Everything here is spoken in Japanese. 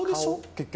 結局。